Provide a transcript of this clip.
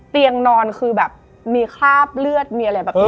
เตียงนอนคือแบบมีคราบเลือดมีอะไรแบบนี้